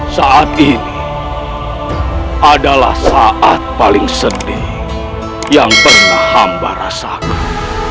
saat ini adalah saat paling sedih yang pernah hamba rasakan